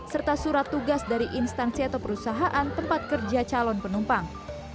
serta surat tugas dari instansi atau perusahaan tempat kerja calon penumpang